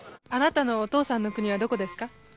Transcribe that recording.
あなたのお父さんの国はどこですか？